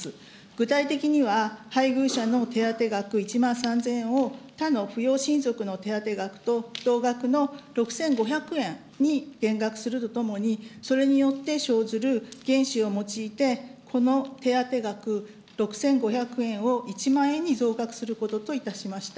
具体的には、配偶者の手当額１万３０００円を他の扶養親族の手当額と同額の６５００円に減額するとともに、それによって生ずる原資を用いて、この手当額６５００円を１万円に増額することといたしました。